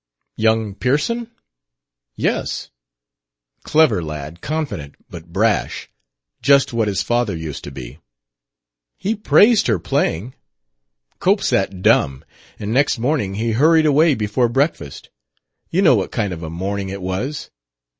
"Young Pearson?" "Yes." "Clever lad. Confident. But brash. Just what his father used to be." "He praised her playing. Cope sat dumb. And next morning he hurried away before breakfast. You know what kind of a morning it was.